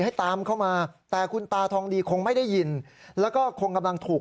ให้ตามเข้ามาแต่คุณตาทองดีคงไม่ได้ยินแล้วก็คงกำลังถูก